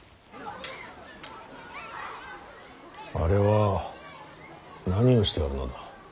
あれは何をしておるのだ。